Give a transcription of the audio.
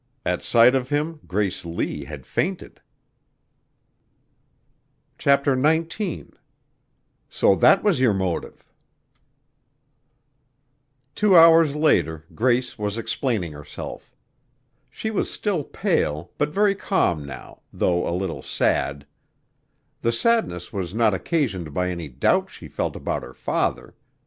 At sight of him Grace Lee had fainted. CHAPTER XIX "So that was your motive" Two hours later Grace was explaining herself. She was still pale, but very calm now, though a little sad. The sadness was not occasioned by any doubt she felt about her father.